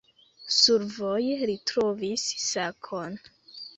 Survoje li trovis sakon.